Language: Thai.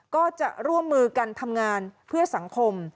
ก็จะร่วมมือกันทำงานเพื่อสังคม